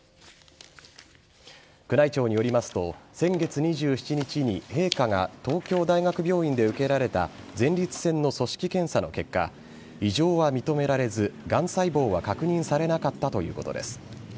宮内庁によりますと先月２７日に陛下が東京大学病院で受けられた前立腺の組織検査の結果異常は認められずがん細胞は確認されなかったということです。